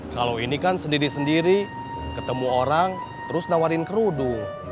kalau ini kan sendiri sendiri ketemu orang terus nawarin kerudung